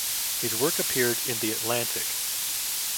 His work appeared in the "Atlantic".